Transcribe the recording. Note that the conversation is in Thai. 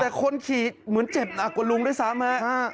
แต่คนขี่เหมือนเจ็บหนักกว่าลุงด้วยซ้ำฮะ